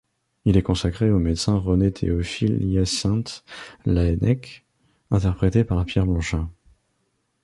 Il est consacré au médecin René-Théophile-Hyacinthe Laennec, interprété par Pierre Blanchar.